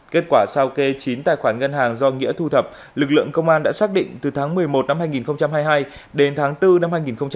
kết quả sao kê chín tài khoản ngân hàng do nghĩa thu thập lực lượng công an đã xác định từ tháng một mươi một năm hai nghìn hai mươi hai đến tháng bốn năm hai nghìn hai mươi ba